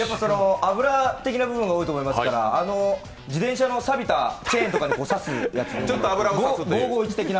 油的な部分が多いと思いますから自転車のサビたチェーンとかに差す５５１的な。